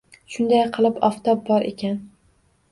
Shunday qilib, oftob bor ekan.